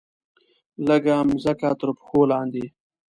لږه مځکه ترپښو لاندې